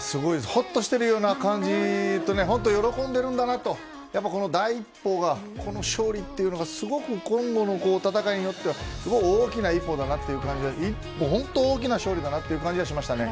ほっとしているような感じと本当、喜んでるんだなと第一報がこの勝利というのはすごく今後の戦いによっては大きな一歩だなという感じが本当に大きな勝利だなという感じがしましたね。